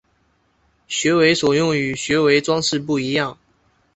学为所用与学为‘装饰’不一样